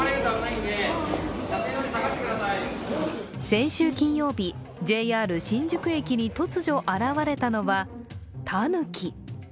先週金曜日、ＪＲ新宿駅に突如現れたのは、たぬき。